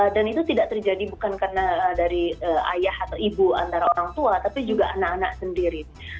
dan itu tidak terjadi bukan karena dari ayah atau ibu antara orang tua tapi juga anak anak sendiri